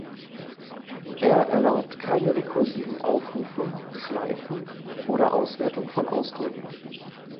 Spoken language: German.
Er erlaubt keine rekursiven Aufrufe, Schleifen oder Auswertung von Ausdrücken.